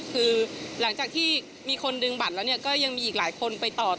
คือหลังจากที่มีคนดึงบัตรแล้วก็ยังมีอีกหลายคนไปตอบ